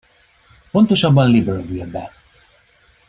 Pontosabban Libreville-be.